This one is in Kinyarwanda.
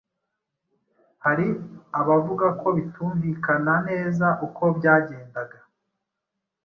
Hari abavuga ko bitumvikana neza uko byagendaga